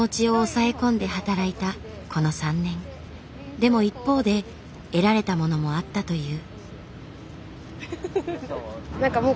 でも一方で得られたものもあったという。